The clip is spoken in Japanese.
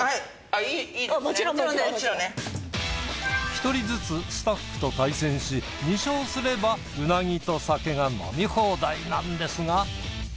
一人ずつスタッフと対戦し２勝すればうなぎと酒が飲み放題なんですが。